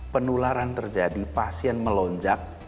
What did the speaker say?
penularan terjadi pasien melonjak